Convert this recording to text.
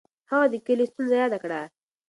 هغه د کلي ستونزه یاده کړه.